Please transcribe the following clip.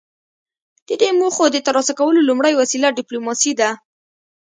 د دې موخو د ترلاسه کولو لومړۍ وسیله ډیپلوماسي ده